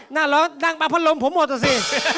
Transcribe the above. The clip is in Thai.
หน้าร้อนด้านมาพอเบาเหมือนพ่อหมดสิ